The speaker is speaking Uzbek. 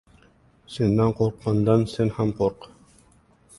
— Sendan qo‘rqqandan sen ham qo‘rq.